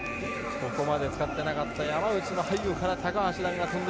ここまで使っていなかった山内の背後から高橋藍。